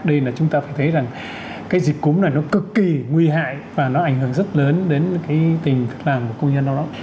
đây là chúng ta phải thấy rằng cái dịch cúng này nó cực kỳ nguy hại và nó ảnh hưởng rất lớn đến tình thực làm của công nhân lao động